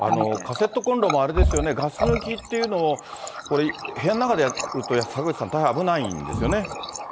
カセットコンロもあれですよね、ガス抜きっていうのをこれ、部屋の中でやると坂口さん、大変危ないんですよね。